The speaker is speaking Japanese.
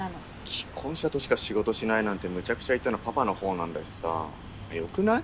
既婚者としか仕事しないなんてむちゃくちゃ言ったのパパのほうなんだしさ良くない？